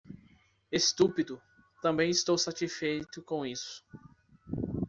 Estúpido, também estou satisfeito com isso.